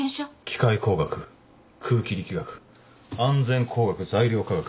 機械工学空気力学安全工学材料科学。